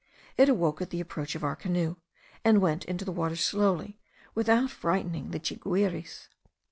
It awoke at the approach of our canoe, and went into the water slowly, without frightening the chiguires.